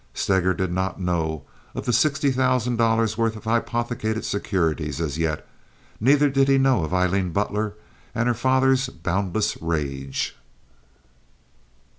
Steger did not know of the sixty thousand dollars' worth of hypothecated securities as yet. Neither did he know of Aileen Butler and her father's boundless rage.